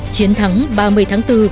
chiến thắng ba mươi tháng bốn